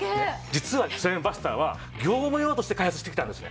実はスライムバスターは業務用として開発してきたんですね。